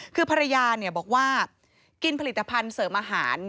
คือภรรยาบอกว่ากินผลิตภัณฑ์เสริมอาหาร